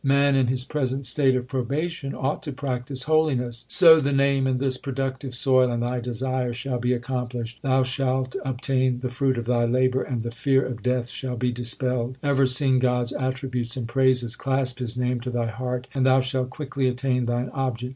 Man in his present state of probation ought to practise holiness : Sow the Name in this productive soil, 1 And thy desires shall be accomplished ; Thou shalt obtain the fruit of thy labour and the fear of Death shall be dispelled. Ever sing God s attributes and praises ; Clasp His name to thy heart, And thou shalt quickly attain thine object.